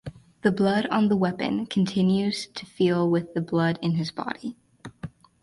The blood on the weapon continues to feel with the blood in his body.